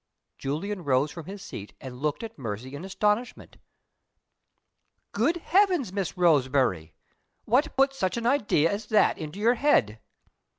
Julian rose from his seat, and looked at Mercy in astonishment. "Good heavens, Miss Roseberry! what put such an idea as that into your head?"